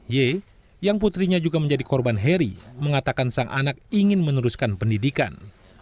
ye yang putrinya juga menjadi korban heri mengatakan sang anak ingin meneruskan pendidikan